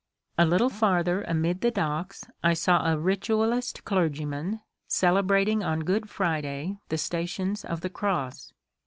A little farther amid the docks I saw a ritualist clergyman, celebrating on Good Friday the '^ Stations of the Cross."